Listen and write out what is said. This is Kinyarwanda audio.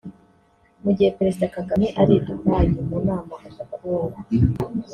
mugihe Perezida Kagame ari i Dubai mu nama ku bukungu